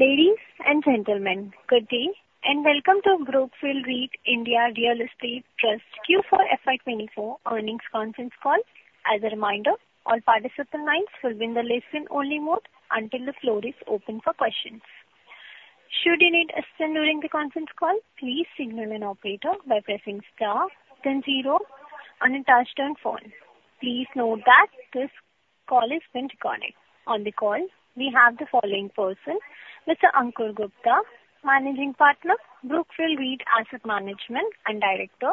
Ladies and gentlemen, good day, and welcome to Brookfield India Real Estate Trust Q4 FY 2024 earnings conference call. As a reminder, all participant lines will be in the listen-only mode until the floor is open for questions. Should you need assistance during the conference call, please signal an operator by pressing star then zero on your touchtone phone. Please note that this call is being recorded. On the call, we have the following persons: Mr. Ankur Gupta, Managing Partner, Brookfield Asset Management, and Director,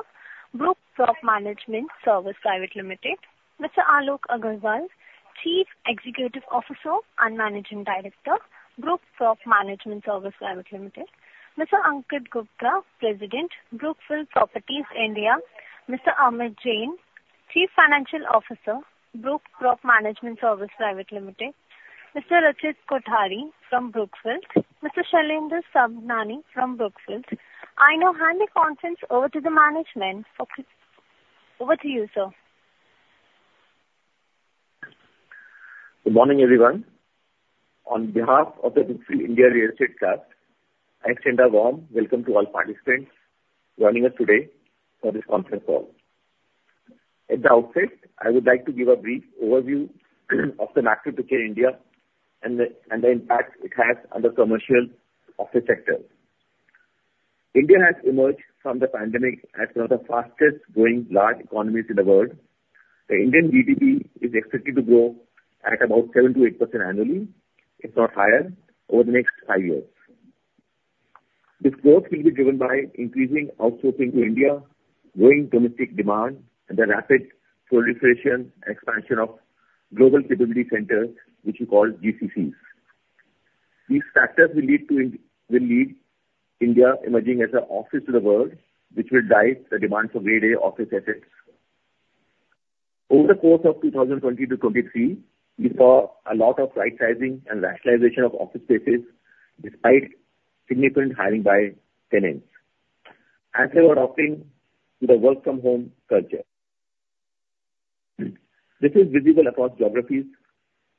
Brookprop Management Services Private Limited; Mr. Alok Aggarwal, Chief Executive Officer and Managing Director, Brookprop Management Services Private Limited; Mr. Ankit Gupta, President, Brookfield Properties India; Mr. Amit Jain, Chief Financial Officer, Brookprop Management Services Private Limited; Mr. Rachit Kothari from Brookfield; Mr. Shailendra Sabhnani from Brookfield. I now hand the conference over to the management. Over to you, sir. Good morning, everyone. On behalf of the Brookfield India Real Estate Trust, I extend a warm welcome to all participants joining us today for this conference call. At the outset, I would like to give a brief overview of the macro to India and the impact it has on the commercial office sector. India has emerged from the pandemic as one of the fastest growing large economies in the world. The Indian GDP is expected to grow at about 7%-8% annually, if not higher, over the next five years. This growth will be driven by increasing outsourcing to India, growing domestic demand, and the rapid proliferation and expansion of Global Capability Centers, which we call GCCs. These factors will lead India emerging as an office to the world, which will drive the demand for Grade A office assets. Over the course of 2020 to 2023, we saw a lot of right sizing and rationalization of office spaces, despite significant hiring by tenants as they were adopting the work from home culture. This is visible across geographies,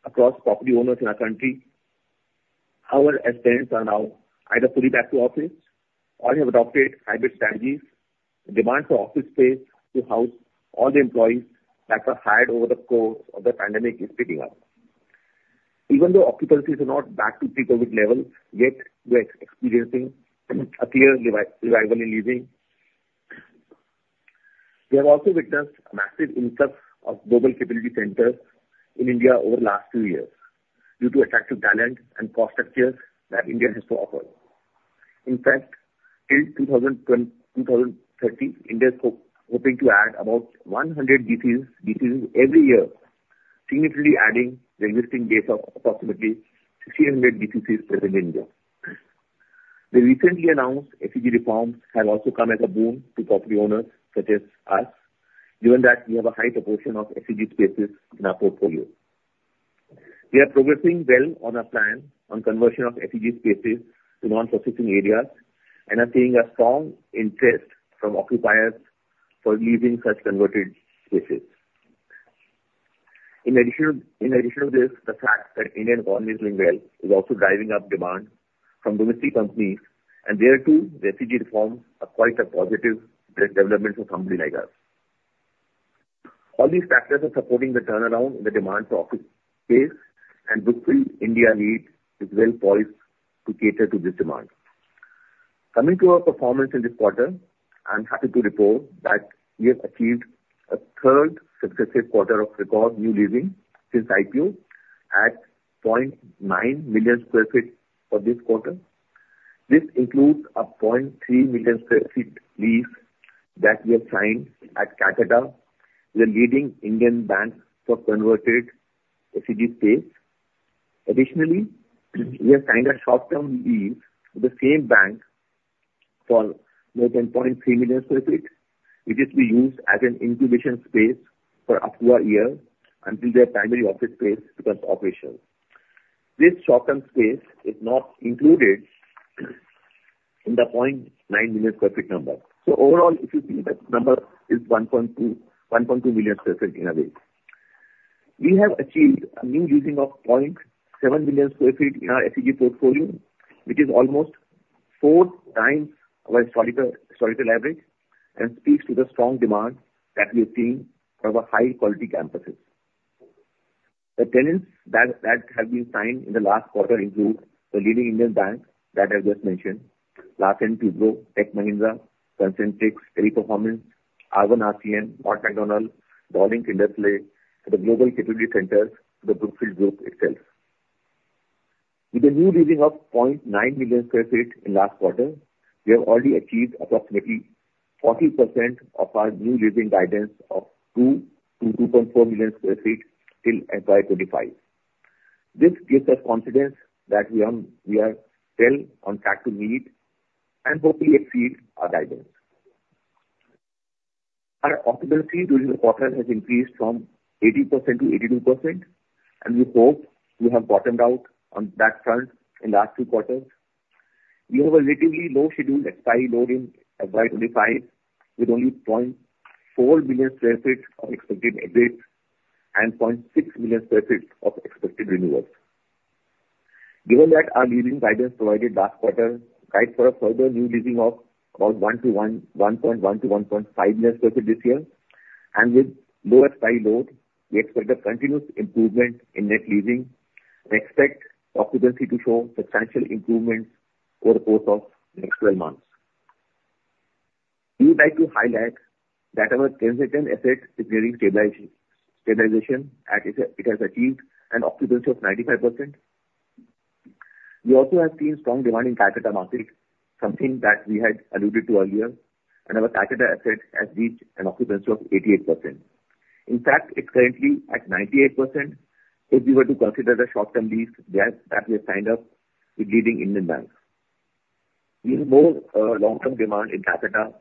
across property owners in our country. Our estates are now either fully back to office or have adopted hybrid strategies. The demand for office space to house all the employees that were hired over the course of the pandemic is picking up. Even though occupancy is not back to pre-COVID levels, yet we are experiencing a clear revival in leasing. We have also witnessed a massive influx of Global Capability Centers in India over the last few years due to attractive talent and cost structures that India has to offer. In fact, till 2030, India is hoping to add about 100 GCCs every year, significantly adding to the existing base of approximately 600 GCCs present in India. The recently announced SEZ reforms have also come as a boon to property owners such as us, given that we have a high proportion of SEZ spaces in our portfolio. We are progressing well on our plan on conversion of SEZ spaces to non-processing areas, and are seeing a strong interest from occupiers for leasing such converted spaces. In addition, in addition to this, the fact that Indian economy is doing well is also driving up demand from domestic companies, and there too, the SEZ reforms are quite a positive development for a company like us. All these factors are supporting the turnaround in the demand for office space, and Brookfield India REIT is well poised to cater to this demand. Coming to our performance in this quarter, I'm happy to report that we have achieved a third successive quarter of record new leasing since IPO at 0.9 million sq ft for this quarter. This includes a 0.3 million sq ft lease that we have signed at Kolkata, the leading Indian bank, for converted SEZ space. Additionally, we have signed a short-term lease with the same bank for more than 0.3 million sq ft, which is to be used as an incubation space for up to a year until their primary office space becomes operational. This short-term space is not included in the 0.9 million sq ft number. So overall, if you see that number, is 1.2, 1.2 million sq ft in a way. We have achieved a new leasing of 0.7 million sq ft in our SEZ portfolio, which is almost 4 times our historical average, and speaks to the strong demand that we are seeing from our high quality campuses. The tenants that have been signed in the last quarter include the leading Indian bank that I just mentioned, Larsen & Toubro, Tech Mahindra, Concentrix, Teleperformance, R1 RCM, McDonald's, Dolphin Kids, and the Global Capability Centers, the Brookfield Group itself. With the new leasing of 0.9 million sq ft in last quarter, we have already achieved approximately 40% of our new leasing guidance of 2-2.4 million sq ft in FY 2025. This gives us confidence that we are, we are well on track to meet and hopefully exceed our guidance. Our occupancy during the quarter has increased from 80% to 82%, and we hope we have bottomed out on that front in last two quarters. We have a relatively low scheduled expiry load in FY 2025, with only 0.4 million sq ft of expected exits and 0.6 million sq ft of expected renewals. Given that our leading guidance provided last quarter guides for a further new leasing of about 1-1.1 to 1.5 million sq ft this year, and with lower expiry load, we expect a continuous improvement in net leasing and expect occupancy to show substantial improvements over the course of the next twelve months. We would like to highlight that our Calcutta asset is nearing stabilization, as it has achieved an occupancy of 95%. We also have seen strong demand in Calcutta market, something that we had alluded to earlier, and our Calcutta assets has reached an occupancy of 88%. In fact, it's currently at 98%, if we were to consider the short-term lease that we have signed up with leading Indian banks. We have more long-term demand in Calcutta,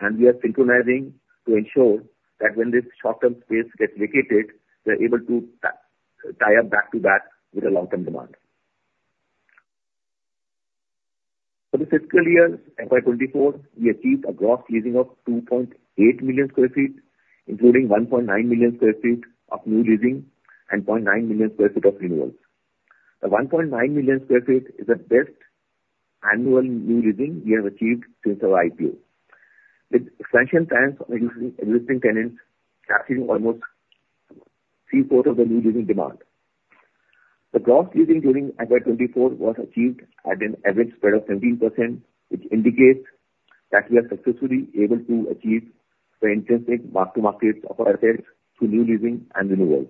and we are synchronizing to ensure that when this short-term space gets vacated, we're able to tie up back-to-back with the long-term demand. For the fiscal year FY 2024, we achieved a gross leasing of 2.8 million sq ft, including 1.9 million sq ft of new leasing and 0.9 million sq ft of renewals. The 1.9 million sq ft is the best annual new leasing we have achieved since our IPO, with substantial tenants, including existing tenants, capturing almost three-quarters of the new leasing demand. The gross leasing during FY 2024 was achieved at an average spread of 17%, which indicates that we are successfully able to achieve the intrinsic mark-to-market of our assets through new leasing and renewals.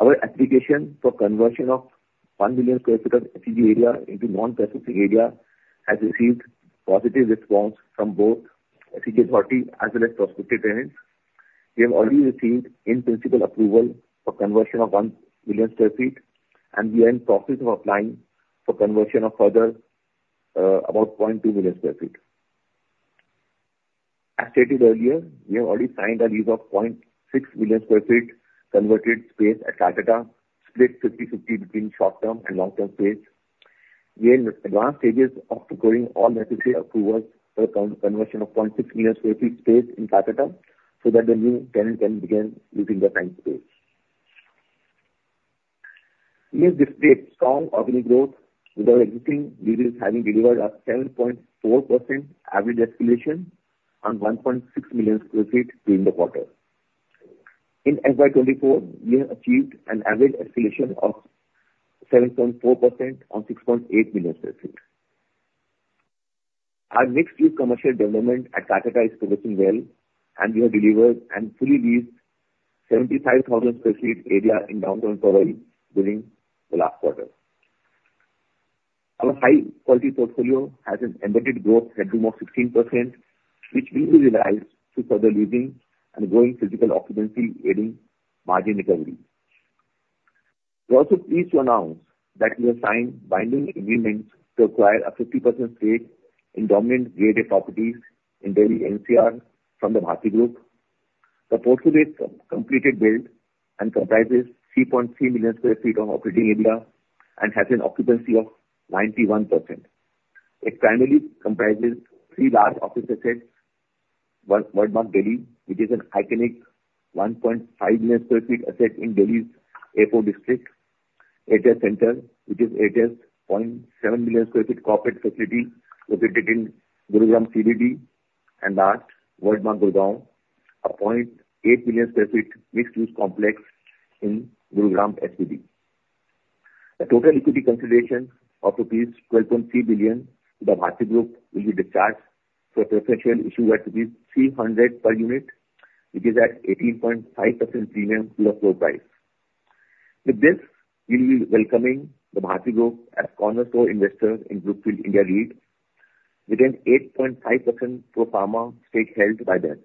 Our application for conversion of 1 million sq ft of SEZ area into non-SEZ area has received positive response from both SEZ authority as well as prospective tenants. We have already received in-principle approval for conversion of 1 million sq ft, and we are in process of applying for conversion of further, about 0.2 million sq ft. As stated earlier, we have already signed a lease of 0.6 million sq ft converted space at Kolkata, split 50/50 between short-term and long-term space. We are in advanced stages of securing all necessary approvals for conversion of 0.6 million sq ft space in Kolkata, so that the new tenant can begin using the space. We have displayed strong operating growth, with our existing leases having delivered a 7.4% average escalation on 1.6 million sq ft during the quarter. In FY 2024, we have achieved an average escalation of 7.4% on 6.8 million sq ft. Our mixed-use commercial development at Kolkata is progressing well, and we have delivered and fully leased 75,000 sq ft area in downtown Mumbai during the last quarter. Our high-quality portfolio has an embedded growth headroom of 16%, which we will realize through further leasing and growing physical occupancy, aiding margin recovery. We're also pleased to announce that we have signed binding agreements to acquire a 50% stake in dominant gateway properties in Delhi NCR from the Bharti Group. The portfolio is completely built and comprises 3.3 million sq ft of operating area and has an occupancy of 91%. It primarily comprises three large office assets, Worldmark Delhi, which is an iconic 1.5 million sq ft asset in Delhi's Airport District; Airtel Center, which is Airtel's 0.7 million sq ft corporate facility located in Gurugram CBD; and the Worldmark Gurugram, a 0.8 million sq ft mixed-use complex in Gurugram CBD. The total equity consideration of rupees 12.3 billion to the Bharti Group will be discharged through a preferential issue at rupees 300 per unit, which is at 18.5% premium to the close price. With this, we will be welcoming the Bharti Group as cornerstone investor in Brookfield India REIT, with an 8.5% pro forma stake held by them.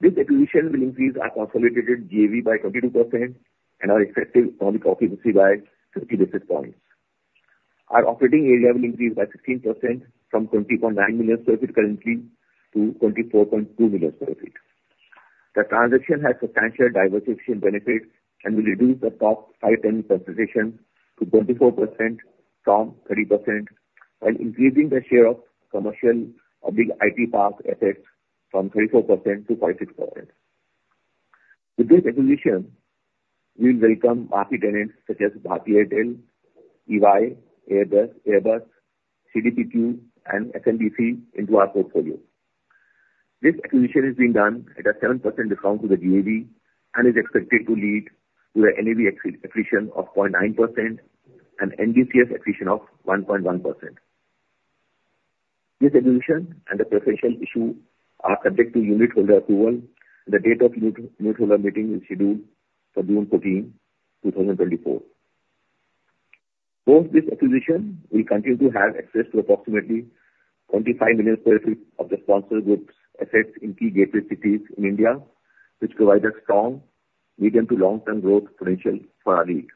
This acquisition will increase our consolidated GAV by 22% and our expected economic occupancy by 50 basis points. Our operating area will increase by 16% from 20.9 million sq ft currently to 24.2 million sq ft. The transaction has substantial diversification benefits and will reduce the top five tenant concentration to 24% from 30%, while increasing the share of commercial / non-IT park assets from 34% to 44%. With this acquisition, we will welcome Bharti tenants such as Bharti Airtel, EY, Airbus, CDPQ, and SMBC into our portfolio. This acquisition is being done at a 7% discount to the GAV and is expected to lead to an NAV accretion of 0.9% and NDCF accretion of 1.1%. This acquisition and the preferential issue are subject to unitholder approval. The date of unitholder meeting is scheduled for June fourteenth, two thousand twenty-four. Post this acquisition, we continue to have access to approximately 25 million sq ft of the sponsor group's assets in key gateway cities in India, which provide a strong medium to long-term growth potential for our REIT.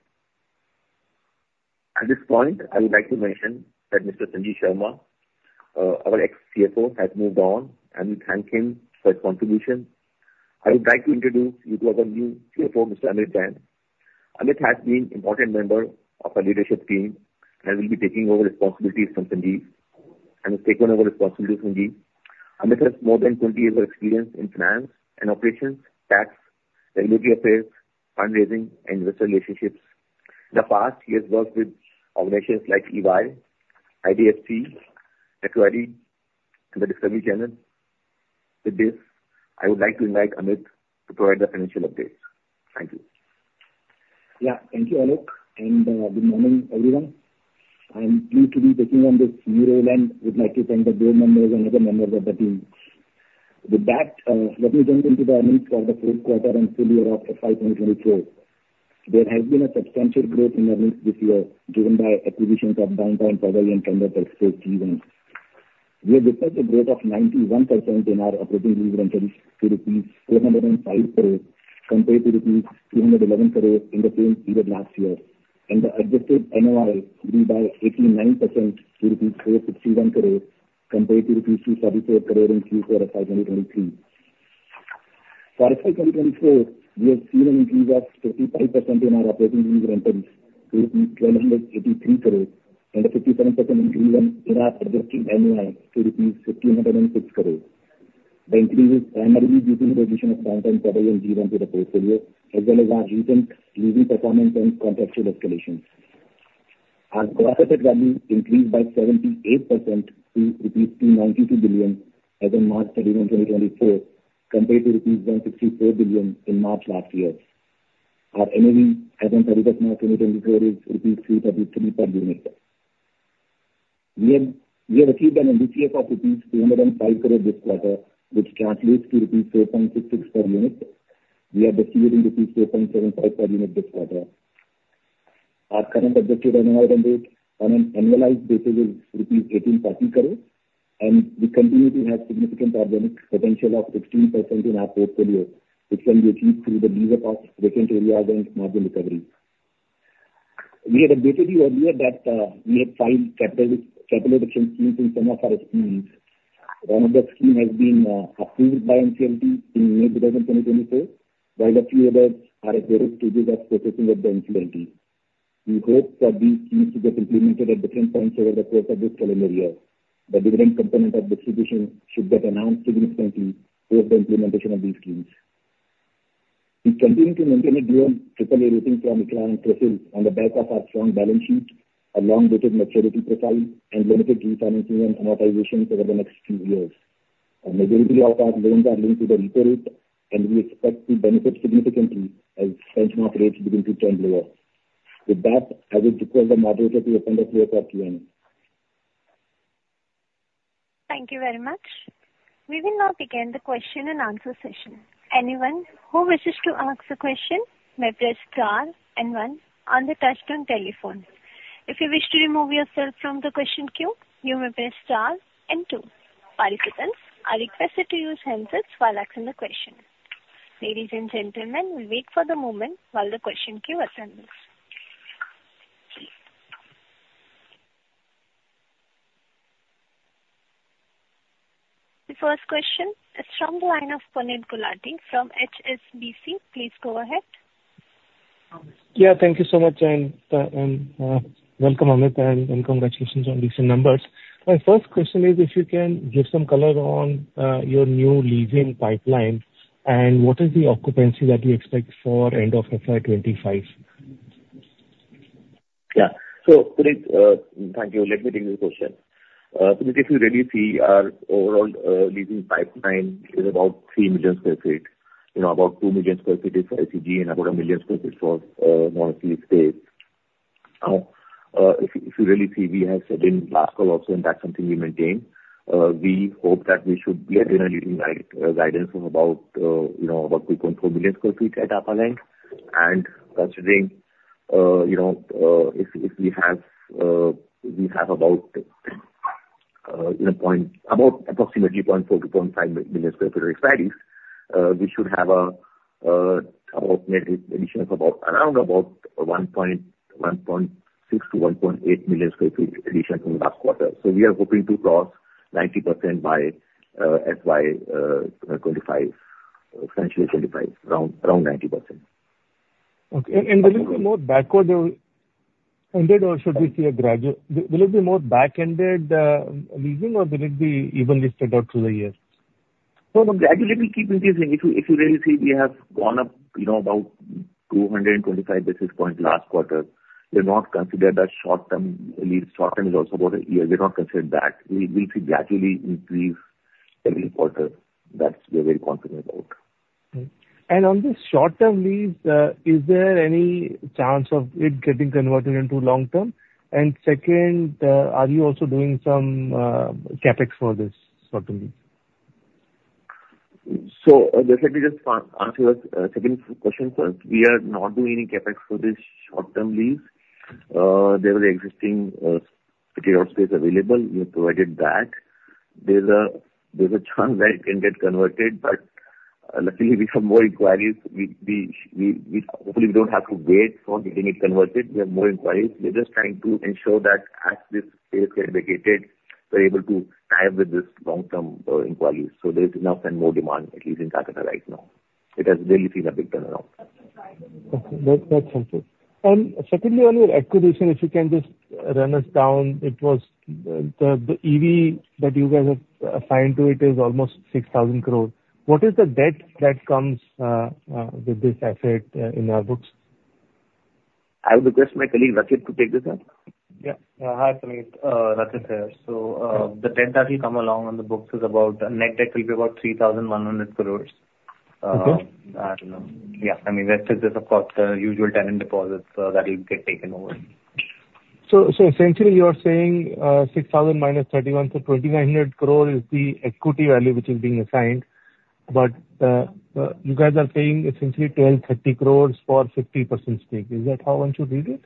At this point, I would like to mention that Mr. Sanjeev Sharma, our ex-CFO, has moved on, and we thank him for his contribution. I would like to introduce you to our new CFO, Mr. Amit Jain. Amit has been important member of our leadership team, and will be taking over responsibilities from Sanjeev, and has taken over responsibilities from Sanjeev. Amit has more than 20 years of experience in finance and operations, tax, regulatory affairs, fundraising, and investor relationships. In the past, he has worked with organizations like EY, IDFC Equity, and the Discovery Channel. With this, I would like to invite Amit to provide the financial update. Thank you. Yeah. Thank you, Alok, and good morning, everyone. I'm pleased to be taking on this new role and would like to thank the board members and other members of the team. With that, let me jump into the earnings for the fourth quarter and full year of FY 2024. There has been a substantial growth in earnings this year, driven by acquisitions of Downtown Powai and Candor TechSpace G1. We have reported a growth of 91% in our operating lease rentals to rupees 405 crores, compared to rupees 211 crores in the same period last year, and the adjusted NOI grew by 89% to rupees 461 crores, compared to rupees 274 crores in Q4 of 2023. For FY 2024, we have seen an increase of 55% in our operating lease rentals to 1,283 crore and a 57% increase in our adjusted NOI to rupees 1,506 crore. The increase is primarily due to the acquisition of Downtown Powai and G1 to the portfolio, as well as our recent leasing performance and contractual escalations. Our gross asset value increased by 78% to 292 billion as of March 31, 2024, compared to 164 billion in March last year. Our NAV as on March 31, 2024, is 373 per unit. We have achieved an EBITDA of 205 crore this quarter, which translates to 4.66 per unit. We are declaring 4.75 per unit this quarter. Our current adjusted NOI run rate on an annualized basis is rupees 1,830 crores, and we continue to have significant organic potential of 16% in our portfolio, which can be achieved through the lease-up of vacant area and margin recovery. We had updated you earlier that we have filed schemes for capital efficiency in some of our. One of the scheme has been approved by NCLT in May 2024, while a few others are at various stages of processing at the NCLT. We hope that these schemes to get implemented at different points over the course of this calendar year. The different component of distribution should get announced significantly over the implementation of these schemes. We continue to maintain a strong triple A rating from ICRA and CRISIL on the back of our strong balance sheet, a long-dated maturity profile, and limited refinancing and amortization over the next few years. A majority of our loans are linked to the repo rate, and we expect to benefit significantly as benchmark rates begin to trend lower. With that, I will request the moderator to hand us over here for Q&A. Thank you very much. We will now begin the question and answer session. Anyone who wishes to ask a question may press star and one on the touchtone telephone. If you wish to remove yourself from the question queue, you may press star and two. Participants are requested to use handsets while asking the question. Ladies and gentlemen, we wait for the moment while the question queue assembles. The first question is from the line of Puneet Gulati from HSBC. Please go ahead. Yeah, thank you so much. And welcome, Amit, and congratulations on decent numbers. My first question is if you can give some color on your new leasing pipeline, and what is the occupancy that you expect for end of FY 25? Yeah. So, Puneet, thank you. Let me take the question. Puneet, if you really see our overall, leasing pipeline is about 3 million sq ft. You know, about 2 million sq ft is GCC and about 1 million sq ft for, domestic space. If you really see, we have said in last call also, and that's something we maintain, we hope that we should be able to lead, guidance of about, you know, about 2.4 million sq ft at pipeline. Considering, you know, if we have about, you know, about approximately 0.4-0.5 million sq ft of vacancies, we should have about maybe additions about around about 1.6-1.8 million sq ft addition from last quarter. So we are hoping to cross 90% by FY 2025, financial year 2025, around 90%. Okay, and will it be more back-ended leasing, or will it be evenly spread out through the years? So gradually we keep increasing. If you, if you really see, we have gone up, you know, about 225 basis points last quarter. We're not considered that short-term lease. Short-term is also about a year. We're not considered that. We, we see gradually increase every quarter. That's. We're very confident about. On the short-term lease, is there any chance of it getting converted into long-term? Second, are you also doing some CapEx for this short-term lease? So, let me just answer the second question first. We are not doing any CapEx for this short-term lease. There is existing pre-let space available. We have provided that. There's a chance that it can get converted, but luckily we have more inquiries. We hopefully don't have to wait for getting it converted. We have more inquiries. We're just trying to ensure that as this space get vacated, we're able to tie up with this long-term inquiries. So there is enough and more demand, at least in Calcutta right now. It has really seen a big turnaround. Okay. That's helpful. And secondly, on your acquisition, if you can just run us through, it was the EV that you guys have assigned to it is almost 6,000 crore. What is the debt that comes with this asset in your books? I will request my colleague, Rachit, to take this one. Yeah. Hi, Sunil. Rachit here. So, the debt that will come along on the books is about, the net debt will be about 3,100 crore. Okay. Yeah, I mean, that is, of course, the usual tenant deposits that will get taken over. So, so essentially you are saying, 6,000 minus 31, so 2,900 crore is the equity value which is being assigned, but, you guys are saying essentially 1,230 crore for 50% stake. Is that how one should read it?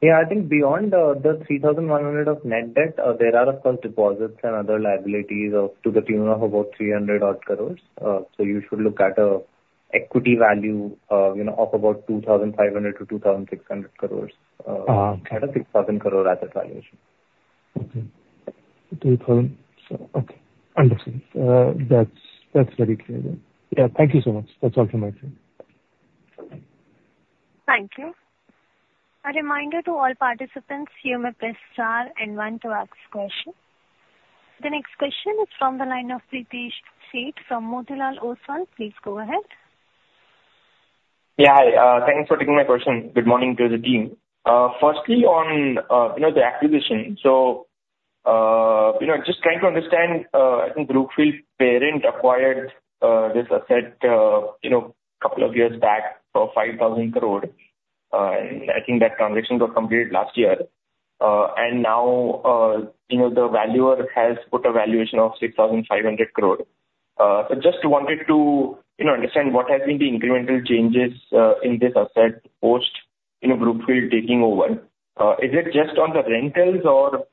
Yeah, I think beyond the 3,100 crores of net debt, there are, of course, deposits and other liabilities of, to the tune of about 300-odd crores. So you should look at Emaar value, you know, of about 2,500-2,600 crores. At a 6,000 crore asset valuation. Okay. 2,000, so, okay. Understood. That's, that's very clear then. Yeah, thank you so much. That's all from my side. Thank you. A reminder to all participants, you may press star and one to ask question. The next question is from the line of Pritesh Sheth from Motilal Oswal. Please go ahead. Yeah, hi, thank you for taking my question. Good morning to the team. Firstly, on, you know, the acquisition, so, you know, just trying to understand, I think Brookfield Parent acquired this asset, you know, couple of years back for 5,000 crore. And I think that transaction got completed last year. And now, you know, the valuer has put a valuation of 6,500 crore. So just wanted to, you know, understand what has been the incremental changes in this asset post, you know, Brookfield taking over. Is it just on the rentals or,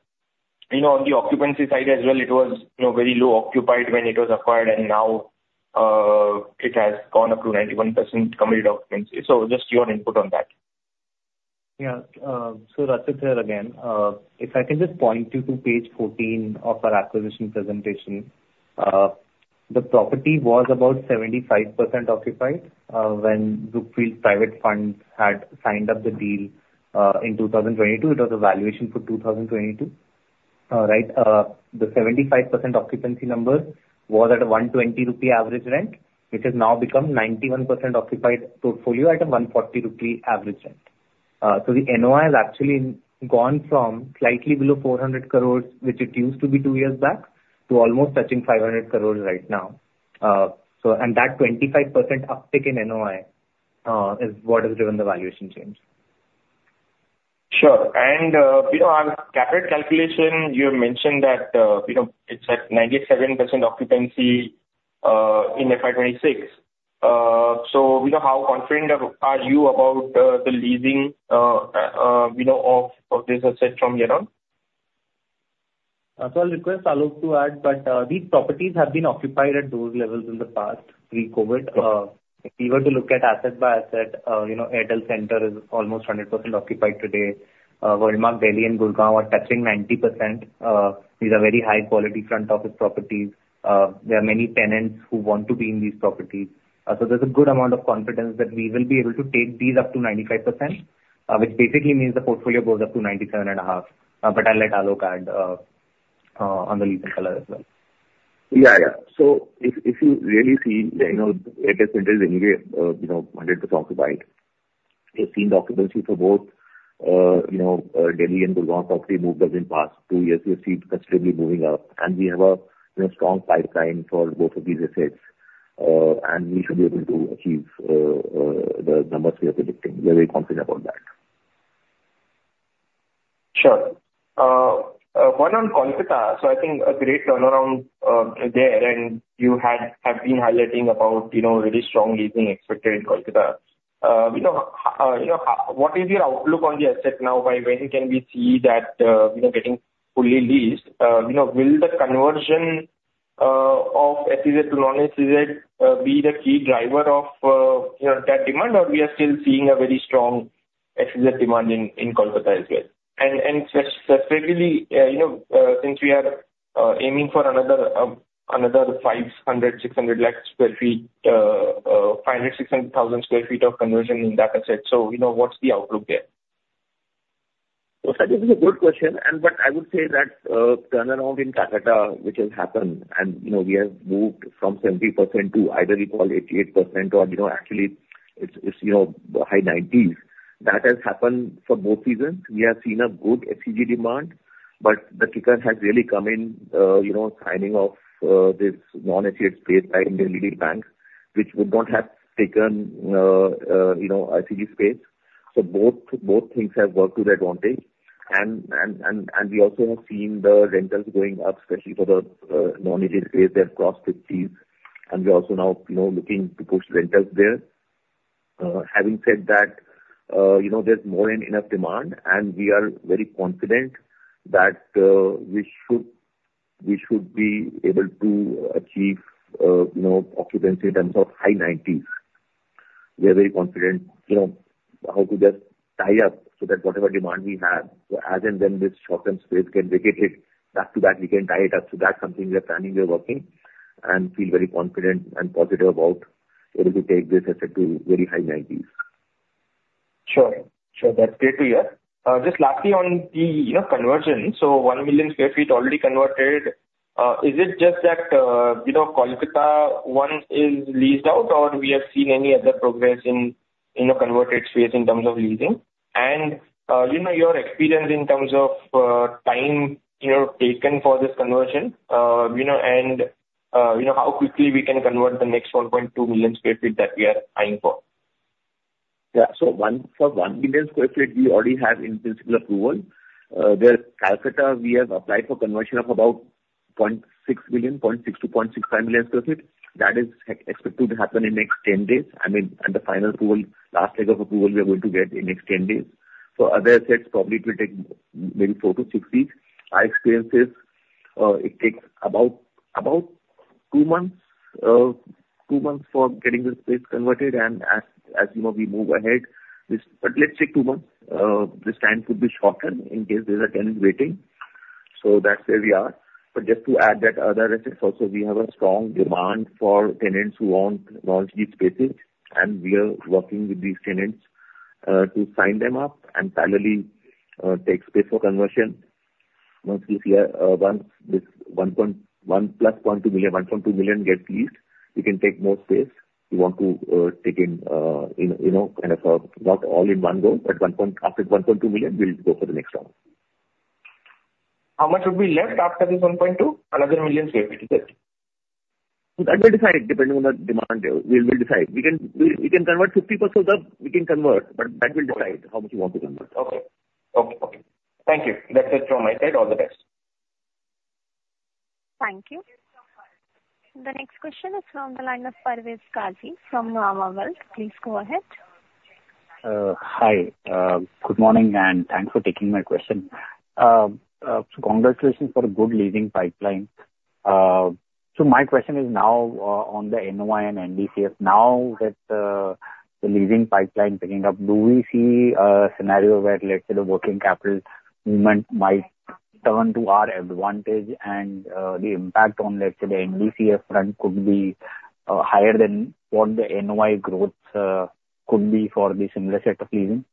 you know, on the occupancy side as well, it was, you know, very low occupied when it was acquired, and now it has gone up to 91% committed occupancy. So just your input on that. Yeah. So Rachit here again. If I can just point you to page 14 of our acquisition presentation. The property was about 75% occupied, when Brookfield Private Fund had signed up the deal, in 2022. It was a valuation for 2022. Right, the 75% occupancy number was at an 120 rupee average rent, which has now become 91% occupied portfolio at an 140 rupee average rent. So the NOI has actually gone from slightly below 400 crore, which it used to be two years back, to almost touching 500 crore right now. So, and that 25% uptick in NOI, is what has driven the valuation change. Sure. And, you know, on capped calculation, you mentioned that, you know, it's at 97% occupancy in FY 2026. So you know, how confident are you about the leasing, you know, of this asset from here on? So I'll request Alok to add, but, these properties have been occupied at those levels in the past, pre-COVID. If you were to look at asset by asset, you know, Airtel Center is almost 100% occupied today. Worldmark Delhi and Gurgaon are touching 90%. These are very high quality front office properties. There are many tenants who want to be in these properties. So there's a good amount of confidence that we will be able to take these up to 95%, which basically means the portfolio goes up to 97.5%. But I'll let Alok add on the leasing color as well. Yeah, yeah. So if, if you really see, you know, Airtel Center is anyway 100% occupied. We've seen the occupancy for both, you know, Delhi and Gurgaon property moved as in past two years, we have seen it consistently moving up, and we have a, you know, strong pipeline for both of these assets. And we should be able to achieve the numbers we are predicting. We're very confident about that. Sure. One on Kolkata. So I think a great turnaround there, and you had, have been highlighting about, you know, really strong leasing expected in Kolkata. You know, how, what is your outlook on the asset now? By when can we see that, you know, getting fully leased? You know, will the conversion of SEZ to non-SEZ be the key driver of, you know, that demand, or we are still seeing a very strong SEZ demand in, in Kolkata as well? And, and specifically, you know, since we are aiming for another, another 500-600 lakh sq ft, 500-600 thousand sq ft of conversion in that asset, so, you know, what's the outlook there? So I think it's a good question, but I would say that turnaround in Calcutta, which has happened, and you know, we have moved from 70% to either you call it 88% or, you know, actually it's high 90s. That has happened for both reasons. We have seen a good SEZ demand, but the kicker has really come in signing off this non-SEZ space by Indian leading banks, which would not have taken you know, SEZ space. So both things have worked to the advantage. And we also have seen the rentals going up, especially for the non-SEZ space, they have crossed 50s, and we are also now you know, looking to push rentals there. Having said that, you know, there's more than enough demand, and we are very confident that, we should, we should be able to achieve, you know, occupancy in terms of high 90s%.... We are very confident, you know, how to just tie up, so that whatever demand we have, so as and when this short-term space can vacate it, back to back we can tie it up. So that's something we are planning, we are working, and feel very confident and positive about able to take this asset to very high 90s%. Sure. Sure, that's great to hear. Just lastly, on the, you know, conversion, so 1 million sq ft already converted. Is it just that, you know, Kolkata one is leased out, or we have seen any other progress in the converted space in terms of leasing? And, you know, your experience in terms of time, you know, taken for this conversion, you know, and, you know, how quickly we can convert the next 1.2 million sq ft that we are eyeing for? Yeah. So one, for 1 million sq ft, we already have in-principle approval. Where Calcutta, we have applied for conversion of about 0.6 million, 0.6-0.65 million sq ft. That is expected to happen in next 10 days, I mean, and the final approval, last leg of approval, we are going to get in next 10 days. So other assets, probably it will take maybe 4-6 weeks. Our experience is, it takes about 2 months for getting the space converted. And as you know, we move ahead, this. But let's say 2 months, this time could be shortened in case there are tenants waiting. So that's where we are. But just to add that other assets also, we have a strong demand for tenants who want large lease spaces, and we are working with these tenants to sign them up and parallelly take space for conversion. Once we see, once this 1.1 plus 1.2 million, 1.2 million gets leased, we can take more space. We want to take in, in, you know, kind of not all in one go, but 1.2, after 1.2 million, we'll go for the next round. How much would be left after this 1.2? Another million sq ft, is it? That will decide, depending on the demand, we will decide. We can convert 50% of, we can convert, but that will decide how much you want to convert. Okay. Okay, okay. Thank you. That's it from my side. All the best. Thank you. The next question is from the line of Parvez Kazi from Nuvama Wealth. Please go ahead. Hi. Good morning, and thanks for taking my question. So congratulations for a good leading pipeline. So my question is now on the NOI and NDCF. Now that the leading pipeline picking up, do we see a scenario where, let's say, the working capital movement might turn to our advantage, and the impact on, let's say, the NDCF front could be higher than what the NOI growth could be for the similar set of leasing?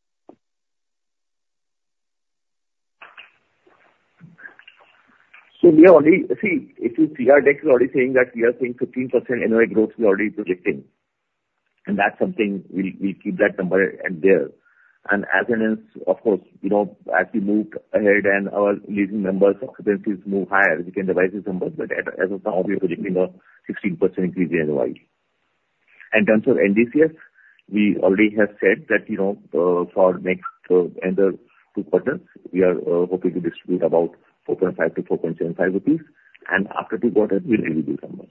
So we have already. See, if you see our deck, we're already saying that we are seeing 15% NOI growth we already are predicting. And that's something we'll keep that number out there. And as and when, of course, you know, as we move ahead and our leading numbers, occupancies move higher, we can revise these numbers, but as of now, we are predicting a 16% increase in NOI. In terms of NDCF, we already have said that, you know, for next another two quarters, we are hoping to distribute about 4.5-4.75 rupees, and after two quarters, we'll give you the numbers.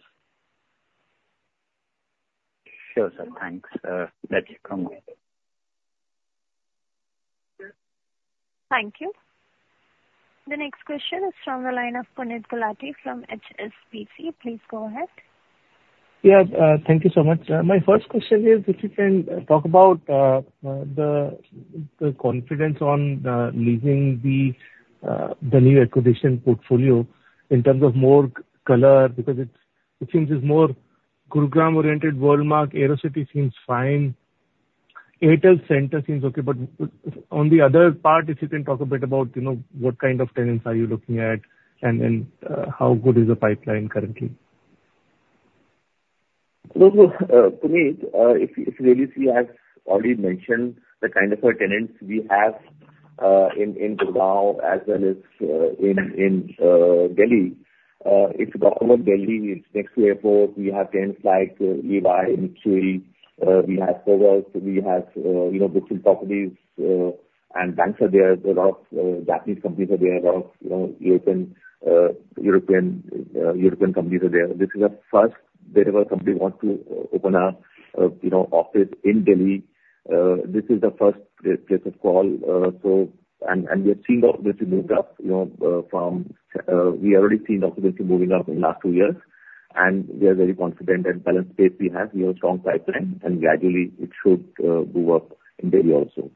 Sure, sir. Thanks, thank you. Thank you. The next question is from the line of Puneet Gulati from HSBC. Please go ahead. Yeah, thank you so much. My first question is if you can talk about the confidence on leasing the new acquisition portfolio in terms of more color, because it seems it's more Gurugram-oriented. Worldmark Aerocity seems fine. Airtel Center seems okay, but on the other part, if you can talk a bit about, you know, what kind of tenants are you looking at and how good is the pipeline currently? So, Puneet, if you really see, I've already mentioned the kind of tenants we have in Gurugram as well as in Delhi. It's government of Delhi, it's next to airport. We have tenants like Eli Lilly, Mitsubishi. We have Forbes, we have, you know, Bristol Myers Squibb, and banks are there. A lot of Japanese companies are there, a lot of, you know, European companies are there. This is a first, wherever company wants to open a, you know, office in Delhi, this is the first place of call. So, we have seen occupancy build up, you know, from we already seen occupancy moving up in last two years, and we are very confident that balance space we have. We have a strong pipeline, and gradually it should go up in Delhi also.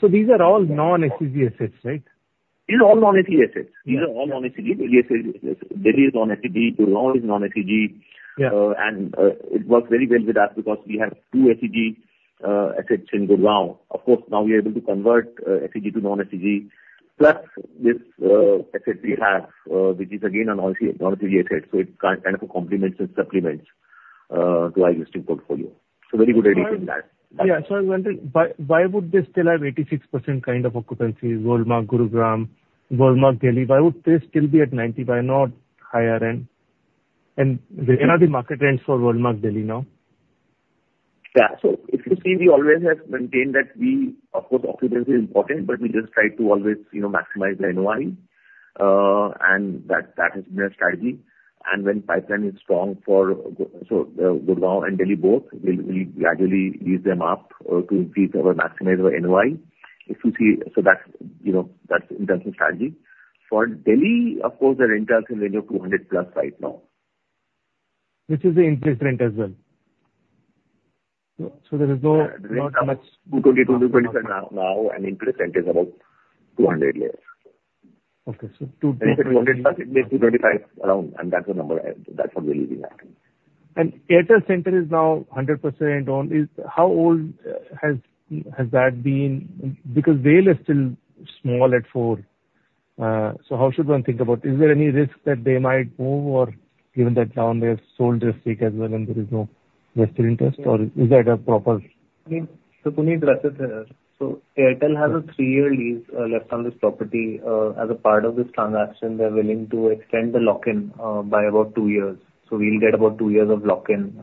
So, these are all non-SEZ assets, right? These are all non-SEZ assets. These are all non-SEZ. Delhi is non-SEZ, Gurgaon is non-SEZ. Yeah. And it works very well with us because we have two SEZ assets in Gurgaon. Of course, now we are able to convert SEZ to non-SEZ, plus this asset we have, which is again a non-SEZ asset, so it kind of complements and supplements to our existing portfolio. So very good addition to that. Yeah, so I wanted... But why would they still have 86% kind of occupancy, Worldmark Gurugram, Worldmark Delhi? Why would they still be at 95, not higher end? And what are the market rents for Worldmark Delhi, now? Yeah. So if you see, we always have maintained that we, of course, occupancy is important, but we just try to always, you know, maximize the NOI, and that has been our strategy. And when pipeline is strong for so Gurugram and Delhi both, we'll gradually lease them up to increase our, maximize our NOI. If you see, so that's, you know, that's in terms of strategy. For Delhi, of course, the rentals are in the range of 200+ right now.... Which is the interest rate as well? So, there is no, not much- 222-225 now, and interest rate is about 200 less. Okay. So two- It makes 225 around, and that's the number, that's what we're leaving at. Airtel Center is now 100% owned. How old has that been? Because WALE is still small at 4. So how should one think about— Is there any risk that they might move, or given that now they have sold this week as well, and there is no investor interest, or is that a proper? I mean, so Puneet, so Airtel has a 3-year lease left on this property. As a part of this transaction, they're willing to extend the lock-in by about 2 years. So we'll get about 2 years of lock-in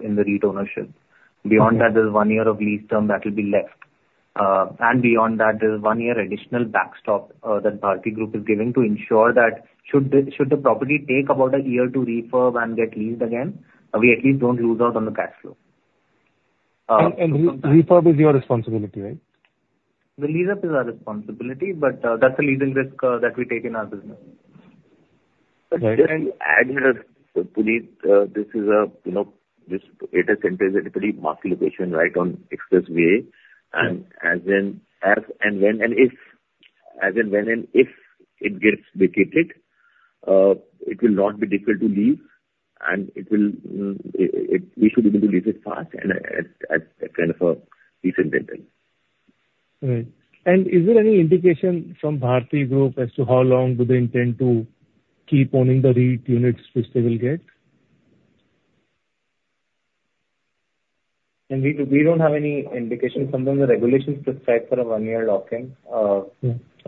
in the REIT ownership. Beyond that, there's one year of lease term that will be left. And beyond that, there's one year additional backstop that Bharti Group is giving to ensure that should the property take about a year to refurb and get leased again, we at least don't lose out on the cash flow. So- And refurb is your responsibility, right? The lease up is our responsibility, but that's a legal risk that we take in our business. But can I add here, Puneet, this is a, you know, this Airtel Center is a pretty prime location right on Expressway, and as in, as and when and if it gets vacated, it will not be difficult to lease, and it will, we should be able to lease it fast, and at kind of a decent rental. Right. And is there any indication from Bharti Group as to how long do they intend to keep owning the REIT units which they will get? We do, we don't have any indication. Sometimes the regulations prescribe for a one-year locking.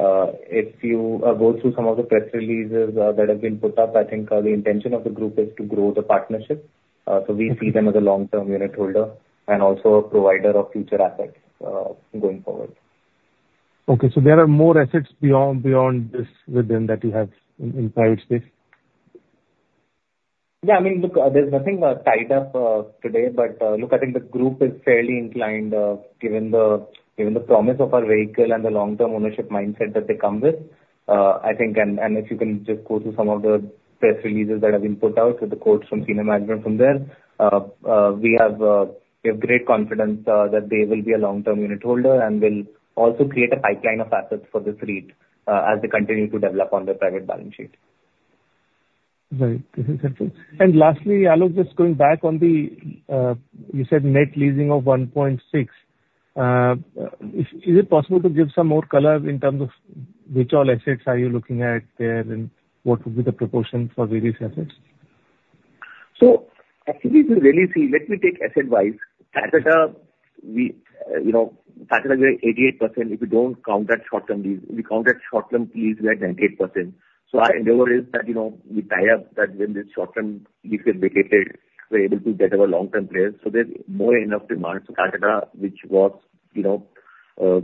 If you go through some of the press releases that have been put up, I think the intention of the group is to grow the partnership. So we see them as a long-term unit holder and also a provider of future assets going forward. Okay, so there are more assets beyond this within that you have in private space? Yeah, I mean, look, there's nothing tied up today. But look, I think the group is fairly inclined, given the promise of our vehicle and the long-term ownership mindset that they come with. I think, and, and if you can just go through some of the press releases that have been put out, so the quotes from senior management from there, we have great confidence that they will be a long-term unit holder and will also create a pipeline of assets for this REIT, as they continue to develop on their private balance sheet. Right. This is helpful. And lastly, I look just going back on the, you said net leasing of 1.6. Is it possible to give some more color in terms of which all assets are you looking at there, and what would be the proportion for various assets? So actually, if you really see, let me take asset-wise. Kolkata, we, you know, Kolkata, we are 88% if you don't count that short-term lease. We count that short-term lease, we are 98%. So our endeavor is that, you know, we tie up that when the short-term lease is vacated, we're able to get our long-term players. So there's more enough demand for Kolkata, which was, you know, so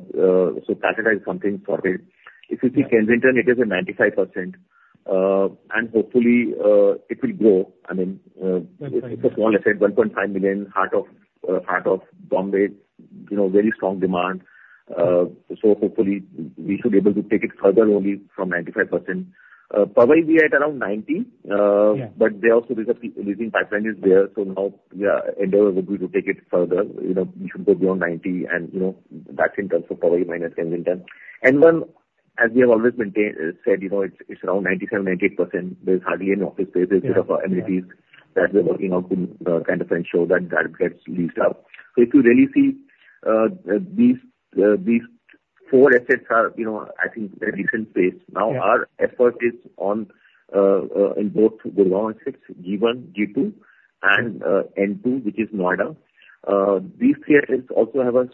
Kolkata is something for it. If you see Kensington, it is a 95%, and hopefully, it will grow. I mean, Okay. It's a small asset, 1.5 million, heart of heart of Bombay, you know, very strong demand. So hopefully we should be able to take it further only from 95%. Powai, we are at around 90%. Yeah. But there also, there's a leasing pipeline is there, so now our endeavor would be to take it further. You know, we should go beyond 90 and, you know, that's in terms of Powai minus Kensington. And one, as we have always maintained, said, you know, it's, it's around 97%-98%. There's hardly any office space. Yeah, yeah. There's a bit of amenities that we're working on to kind of ensure that that gets leased out. So if you really see, these four assets are, you know, I think, at a different phase. Yeah. Now, our effort is on in both Gurugram assets, G1, G2, and N2, which is Noida. These three assets also have a...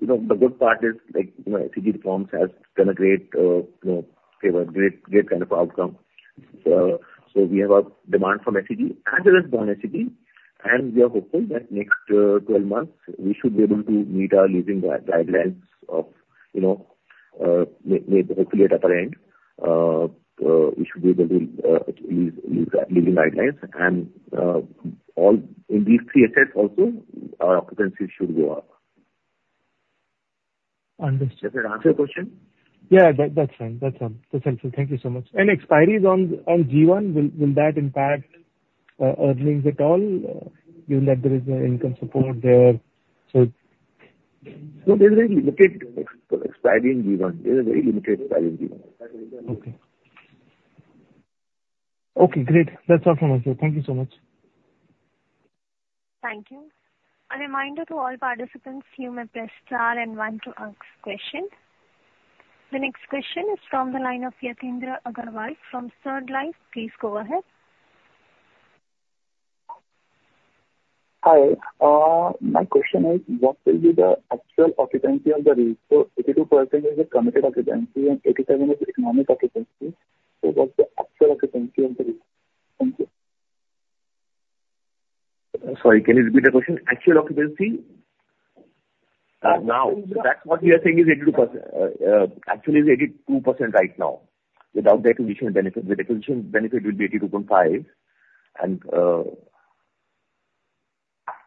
You know, the good part is, like, you know, GCC reforms has done a great favor, great, great kind of outcome. So we have a demand from GCC as well as non-GCC, and we are hopeful that next 12 months, we should be able to meet our leasing guidelines of, you know, maybe hopefully at upper end, we should be able to lease leasing guidelines. And all in these three assets also, our occupancy should go up. Understood. Does that answer your question? Yeah, that, that's fine. That's, that's helpful. Thank you so much. And expiries on G1, will that impact earnings at all, given that there is no income support there, so? No, there's very limited expiry in G1. There's a very limited expiry in G1. Okay. Okay, great. That's all from my side. Thank you so much. Thank you. A reminder to all participants, you may press star and one to ask question. The next question is from the line of Yatindra Agarwal from Sun Life. Please go ahead. Hi. My question is: What will be the actual occupancy of the REIT? So 82% is a committed occupancy, and 87% is economic occupancy. So what's the actual occupancy of the REIT? Thank you. Sorry, can you repeat the question? Actual occupancy? Now, that's what we are saying is 82%. Actually, it's 82% right now, without the acquisition benefit. The acquisition benefit will be 82.5%, and-...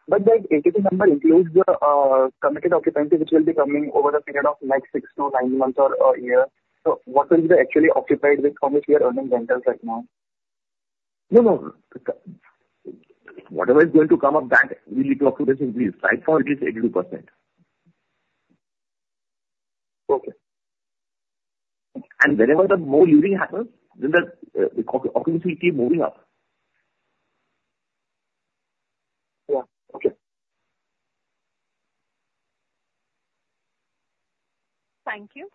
But that AT number includes the committed occupancy, which will be coming over the period of next 6-9 months or a year. So what is the actually occupied with, how much we are earning rentals right now? No, no. Whatever is going to come up, that will lead to occupancy increase. Right now, it is 82%. Okay. Whenever the more yielding happens, then the occupancy will keep moving up. Yeah. Okay. Thank you.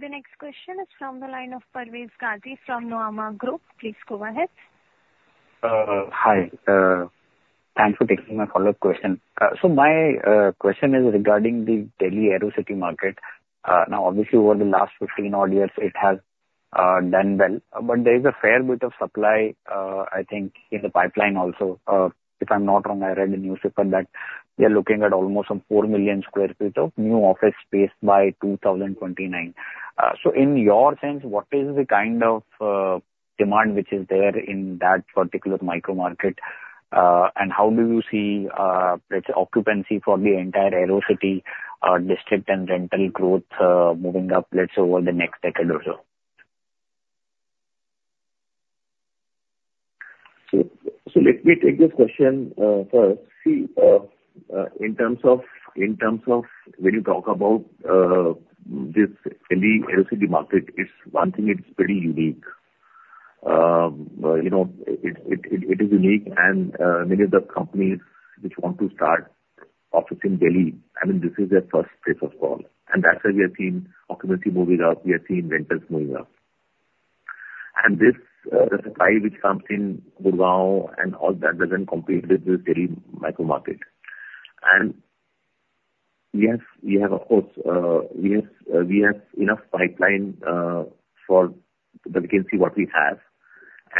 The next question is from the line of Parvez Kazi from Nuvama Wealth. Please go ahead. Hi. Thanks for taking my follow-up question. So my question is regarding the Delhi Aerocity market. Now, obviously, over the last 15 odd years, it has done well, but there is a fair bit of supply, I think in the pipeline also. If I'm not wrong, I read in the newspaper that we are looking at almost some 4 million sq ft of new office space by 2029. So in your sense, what is the kind of demand which is there in that particular micro market? And how do you see, let's say, occupancy for the entire Aerocity district and rental growth moving up, let's say, over the next decade or so? So, let me take this question first. See, in terms of, in terms of when you talk about this Delhi Aerocity market, it's one thing, it's pretty unique. You know, it is unique and many of the companies which want to start office in Delhi, I mean, this is their first place of call, and that's why we have seen occupancy moving up, we have seen rentals moving up. And this, the supply which comes in Gurugram and all that, doesn't compete with the Delhi micro market. And yes, we have, of course, we have enough pipeline for the vacancy what we have.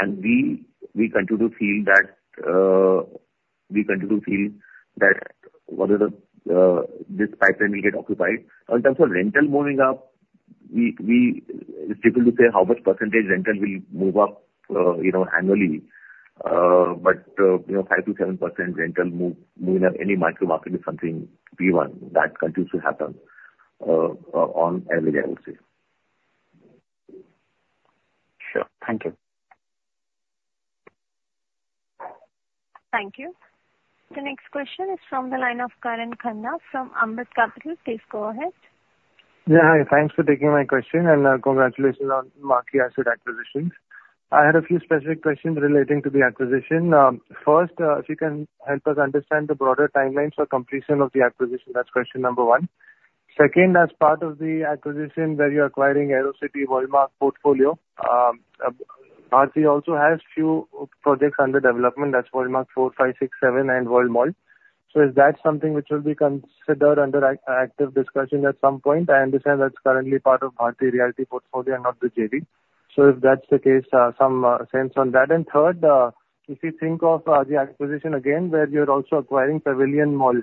And we continue to feel that we continue to feel that whether this pipeline will get occupied. In terms of rental moving up, it's difficult to say how much percentage rental will move up, you know, annually. But, you know, 5%-7% rental move, moving up any micro market is something we want. That continues to happen, on average, I would say. Sure. Thank you. Thank you. The next question is from the line of Karan Khanna from Ambit Capital. Please go ahead. Yeah, hi. Thanks for taking my question, and congratulations on market asset acquisitions. I had a few specific questions relating to the acquisition. First, if you can help us understand the broader timelines for completion of the acquisition. That's question number 1. Second, as part of the acquisition where you're acquiring Aerocity Worldmark portfolio, Bharti also has few projects under development. That's Worldmark 4, 5, 6, 7, and Worldmark. So is that something which will be considered under active discussion at some point? I understand that's currently part of Bharti Realty portfolio and not the JV. So if that's the case, some sense on that. And third, if you think of the acquisition again, where you're also acquiring Pavilion Mall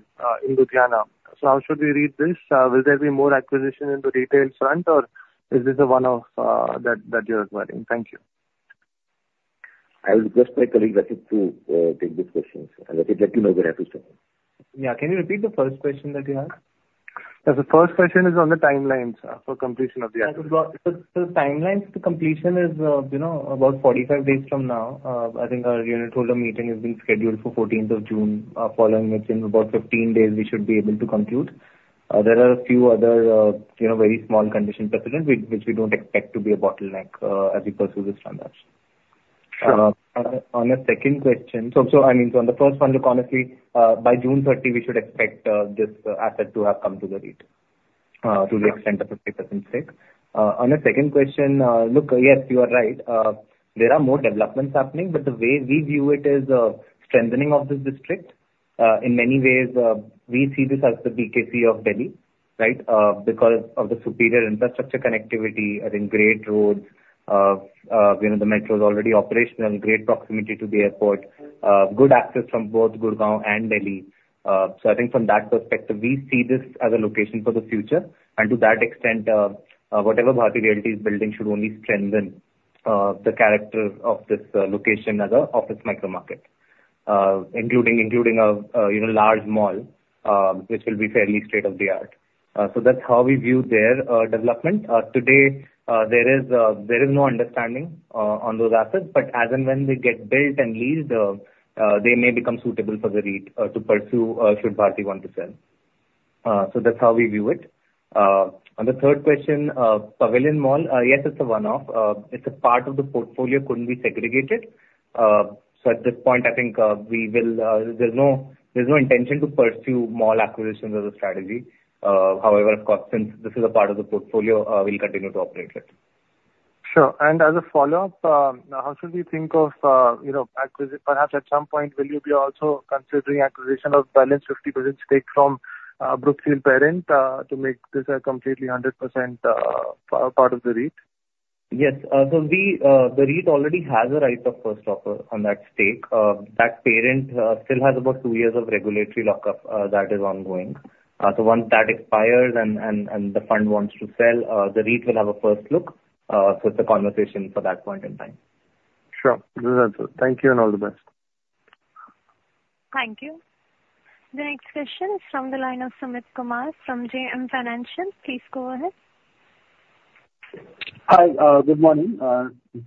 in Ludhiana. So how should we read this? Will there be more acquisition in the retail front, or is this the one of, that, that you're acquiring? Thank you. I will request my colleague, Rachit, to take these questions. Rachit, let him know where everything. Yeah. Can you repeat the first question that you asked? Yeah, the first question is on the timelines for completion of the acquisition. The timelines to completion is, you know, about 45 days from now. I think our unitholder meeting is being scheduled for 14th of June. Following which in about 15 days we should be able to conclude. There are a few other, you know, very small conditions precedent, which we don't expect to be a bottleneck, as we pursue this transaction. Sure. On the second question... So I mean, on the first one, look, honestly, by June 30, we should expect this asset to have come to the REIT, to the extent of the 50% stake. On the second question, look, yes, you are right. There are more developments happening, but the way we view it is a strengthening of this district. In many ways, we see this as the BKC of Delhi, right? Because of the superior infrastructure connectivity, I think great roads, you know, the metro is already operational, great proximity to the airport, good access from both Gurugram and Delhi. So I think from that perspective, we see this as a location for the future. And to that extent, whatever Bharti Realty is building should only strengthen the character of this location as an office micro market. Including a, you know, large mall, which will be fairly state-of-the-art. So that's how we view their development. Today, there is no understanding on those assets, but as and when they get built and leased, they may become suitable for the REIT to pursue, should Bharti want to sell. So that's how we view it. On the third question, Pavilion Mall, yes, it's a one-off. It's a part of the portfolio couldn't be segregated. So at this point, I think, we will, there's no intention to pursue mall acquisitions as a strategy. However, of course, since this is a part of the portfolio, we'll continue to operate it. Sure. And as a follow-up, how should we think of, you know, acquisition—perhaps at some point, will you be also considering acquisition of balance 50% stake from Brookfield Parent, to make this a completely 100%, part of the REIT? Yes. So we, the REIT already has a right of first offer on that stake. That parent still has about two years of regulatory lockup, that is ongoing. So once that expires and the fund wants to sell, the REIT will have a first look. So it's a conversation for that point in time. Sure. Thank you, and all the best. ...Thank you. The next question is from the line of Sumit Kumar from JM Financial. Please go ahead. Hi, good morning.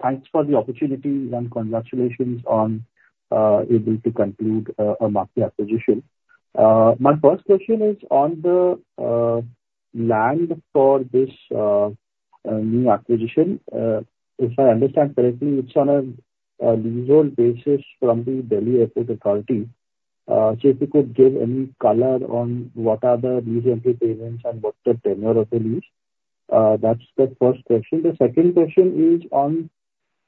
Thanks for the opportunity and congratulations on able to conclude a market acquisition. My first question is on the land for this new acquisition. If I understand correctly, it's on a leasehold basis from the Delhi Airport Authority. So if you could give any color on what are the lease rent-free payments and what's the tenure of the lease? That's the first question. The second question is on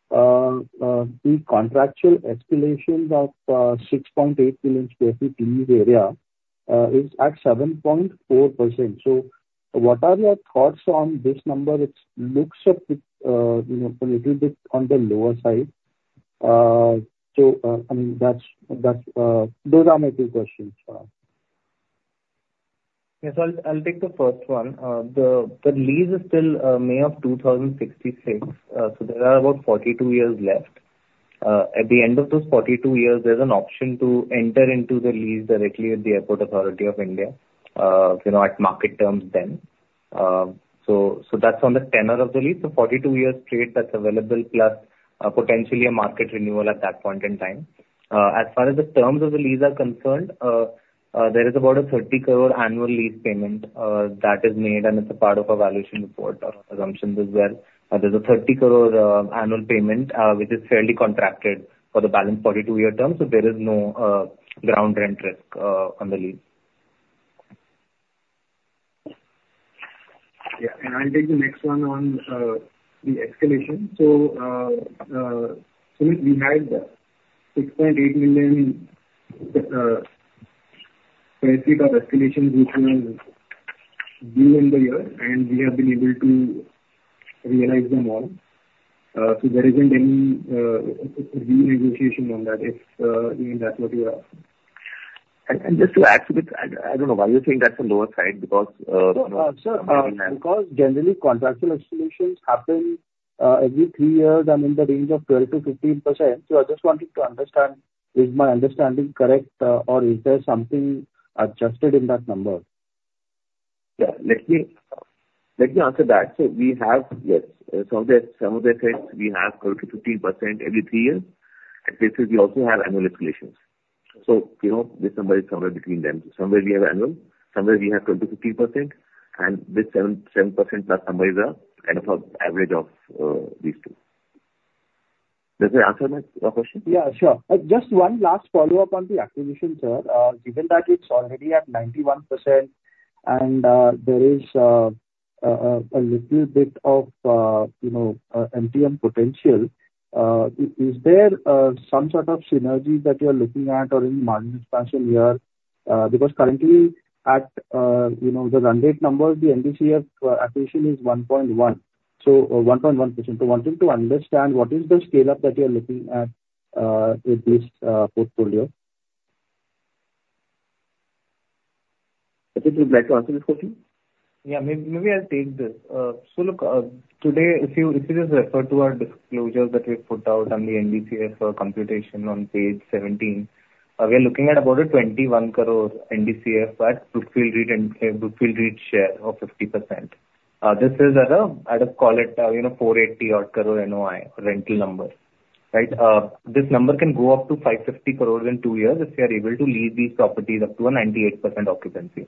the contractual escalations of 6.8 million sq ft lease area is at 7.4%. So what are your thoughts on this number? It looks a bit, you know, a little bit on the lower side. So, I mean, that's, that's those are my two questions for now. Yes, I'll take the first one. The lease is till May of 2066. So there are about 42 years left. At the end of those 42 years, there's an option to enter into the lease directly with the Airport Authority of India, you know, at market terms then. So that's on the tenure of the lease. So 42 years period that's available, plus potentially a market renewal at that point in time. As far as the terms of the lease are concerned, there is about 30 crore annual lease payment that is made, and it's a part of a valuation report. Our assumptions as well. There's an 30 crore annual payment, which is fairly contracted for the balance 42-year term, so there is no ground rent risk on the lease. Yeah, and I'll take the next one on the escalation. So, so we had the 6.8 million sq ft of escalation, which we will do in the year, and we have been able to realize them all. So there isn't any re-negotiation on that, if that's what you're asking. Just to add to it, I don't know why you think that's a lower side, because you know, sir, because generally, contractual escalations happen every three years are in the range of 12%-15%. So I just wanted to understand, is my understanding correct, or is there something adjusted in that number? Yeah. Let me, let me answer that. So we have, yes, some of the, some of the assets we have 12%-15% every three years, and basically we also have annual escalations. So, you know, this number is somewhere between them. Somewhere we have annual, somewhere we have 12%-15%, and this 7, 7 percent, that number is a kind of an average of, these two. Does that answer my, your question? Yeah, sure. Just one last follow-up on the acquisition, sir. Given that it's already at 91% and there is a little bit of, you know, MTM potential, is there some sort of synergy that you're looking at or any margin expansion here? Because currently at, you know, the run rate numbers, the NDCF acquisition is 1.1, so 1.1%. So wanting to understand, what is the scale-up that you're looking at with this portfolio? Rachit, would you like to answer this question? Yeah, maybe I'll take this. So look, today, if you just refer to our disclosure that we put out on the NDCF computation on page 17, we are looking at about 21 crore NDCF at Brookfield REIT and Brookfield REIT share of 50%. This is at a, I'd just call it, you know, 480-odd crore NOI rental number, right? This number can go up to 550 crores in 2 years if we are able to lease these properties up to a 98% occupancy.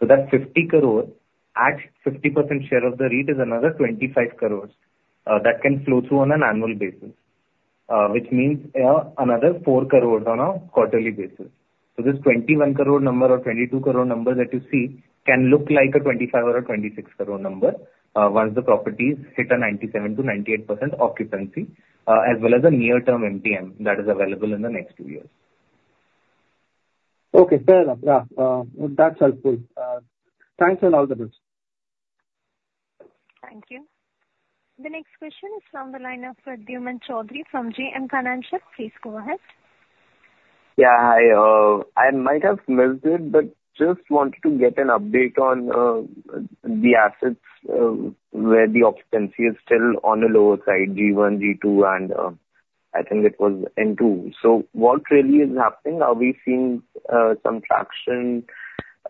So that 50 crore at 50% share of the REIT is another 25 crores that can flow through on an annual basis. Which means another 4 crores on a quarterly basis. So this 21 crore number or 22 crore number that you see, can look like a 25 or a 26 crore number, once the properties hit a 97%-98% occupancy, as well as the near-term MTM that is available in the next two years. Okay, fair enough. Yeah, that's helpful. Thanks on all the best. Thank you. The next question is from the line of Pradyumna Choudhary from JM Financial. Please go ahead. Yeah, hi. I might have missed it, but just wanted to get an update on the assets where the occupancy is still on the lower side, G1, G2, and I think it was N2. So what really is happening? Are we seeing some traction,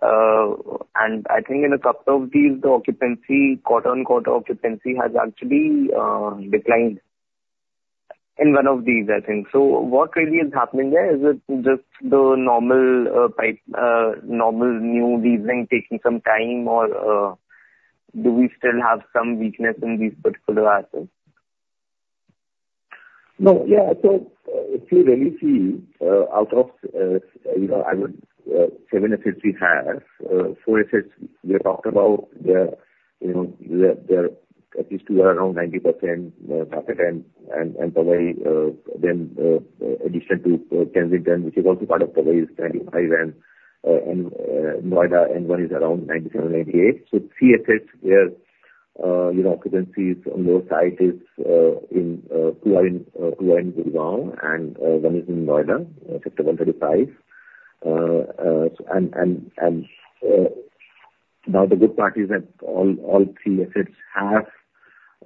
and I think in a couple of these, the occupancy, quarter-on-quarter occupancy has actually declined in one of these, I think. So what really is happening there? Is it just the normal pipe normal new leasing taking some time, or do we still have some weakness in these particular assets? No. Yeah, so if you really see, out of, you know, I would 7 assets we have, 4 assets we have talked about where, you know, they're, they're at least two are around 90% occupied, and, and, and probably then addition to Kensington, which is also part of property is commanding high rent, and Noida N1 is around 97%-98%. So 3 assets where, you know, occupancy is on those sites is in two are in two are in Gurgaon and one is in Noida Sector 135. Now, the good part is that all all 3 assets have,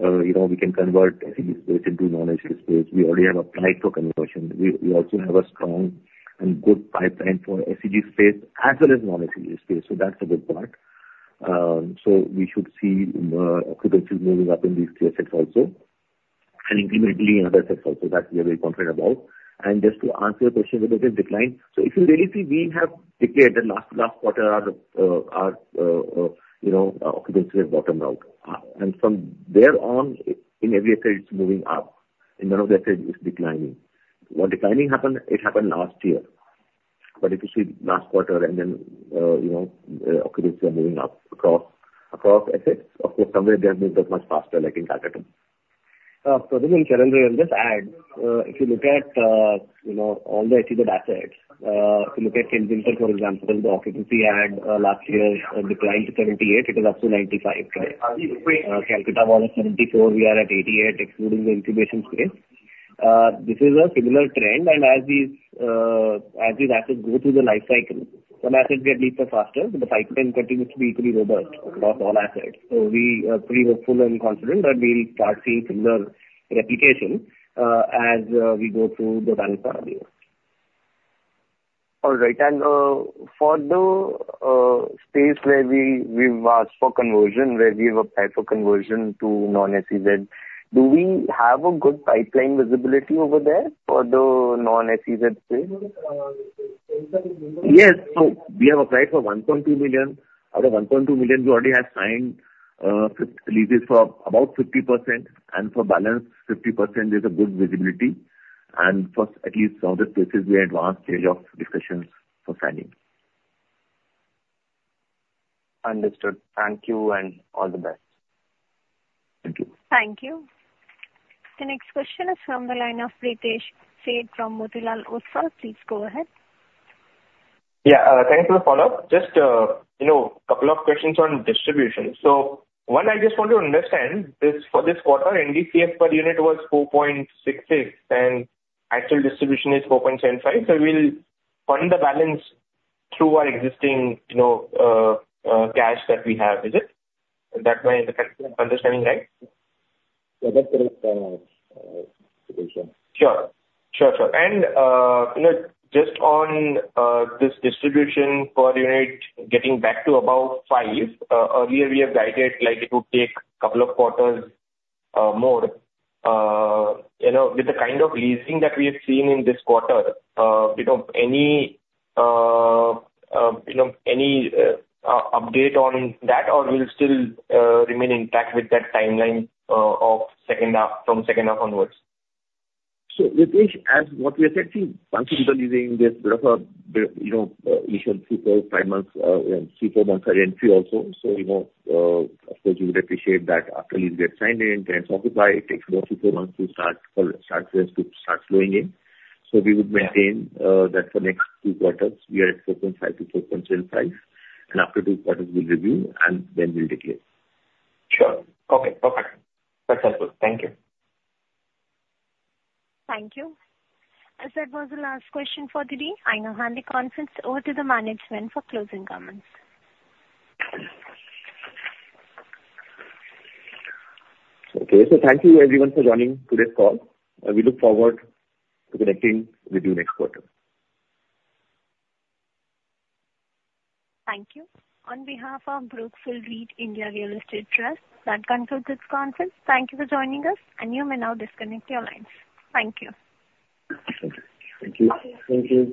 you know, we can convert SEZ space into non-SEZ space. We already have applied for conversion. We, we also have a strong and good pipeline for SEZ space as well as non-SEZ space, so that's the good part. So we should see, occupancies moving up in these three assets also, and incrementally in other assets also, that we are very confident about. And just to answer your question about the decline: so if you really see, we have declared that last, last quarter our, our, occupancy rate bottomed out. And from there on, in every asset, it's moving up. In one of the assets, it's declining. When declining happened, it happened last year. But if you see last quarter and then, occupancy are moving up across, across assets. Of course, somewhere they have moved up much faster, like in Calcutta. Pradeep and Chirag, I'll just add, if you look at, you know, all the SEZ assets, if you look at Candor N1, for example, the occupancy at, last year, declined to 78%. It is up to 95%. Calcutta K1 is 74%, we are at 88%, excluding the incubation space. This is a similar trend, and as these, as these assets go through the life cycle, some assets may lease out faster, but the pipeline continues to be equally robust across all assets. So we are pretty hopeful and confident that we'll start seeing similar replication, as, we go through the current year. All right, for the space where we've asked for conversion, where we've applied for conversion to non-SEZ, do we have a good pipeline visibility over there for the non-SEZ space? Yes. So we have applied for 1.2 million. Out of 1.2 million, we already have signed leases for about 50%, and for balance 50% is a good visibility. And for at least some of the places, we are at advanced stage of discussions for signing. Understood. Thank you, and all the best. Thank you. Thank you. The next question is from the line of Pritesh Sheth from Motilal Oswal. Please go ahead. Yeah, thanks for the follow-up. Just, you know, couple of questions on distribution. So one, I just want to understand, this, for this quarter, NDCF per unit was 4.66, and actual distribution is 4.75, so we'll fund the balance through our existing, you know, cash that we have, is it? Is that my understanding right? Yeah, that's correct, assumption. Sure. Sure, sure. And, you know, just on this distribution per unit, getting back to about 5, earlier we have guided, like, it would take couple of quarters more. You know, with the kind of leasing that we have seen in this quarter, you know, any, you know, any update on that, or we'll still remain intact with that timeline of second half, from second half onwards? So Pritesh, as what we are seeing, once you start leasing, there's bit of a, you know, initial 3, 4, 5 months, you know, 3, 4 months are rent-free also. So, you know, of course, you would appreciate that after you get signed in, then occupy, it takes more 3, 4 months to start, for start rents to start flowing in. So we would maintain- That for next two quarters, we are at 4.5-4.75, and after two quarters, we'll review, and then we'll declare. Sure. Okay, perfect. That's helpful. Thank you. Thank you. As that was the last question for the day, I now hand the conference over to the management for closing comments. Okay. Thank you everyone for joining today's call, and we look forward to connecting with you next quarter. Thank you. On behalf of Brookfield India Real Estate Trust, that concludes this conference. Thank you for joining us, and you may now disconnect your lines. Thank you. Thank you. Thank you.